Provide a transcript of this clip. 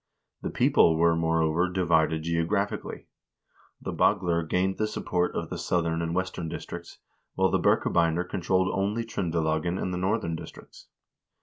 The people were, moreover, divided geographically. The Bagler gained the support of the southern and western districts, while the Birkebeiner con trolled only Tr0ndelagen and the northern districts.